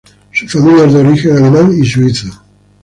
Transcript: Su familia es de origen alemán y suizo.